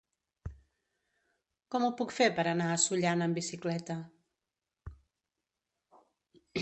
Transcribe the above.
Com ho puc fer per anar a Sollana amb bicicleta?